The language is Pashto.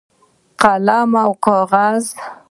قلم او کاغذ